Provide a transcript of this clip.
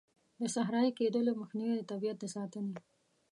د صحرایې کیدلو مخنیوی، د طبیعیت د ساتنې.